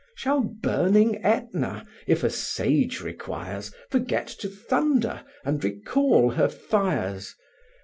Shall burning Etna, if a sage requires, Forget to thunder, and recall her fires?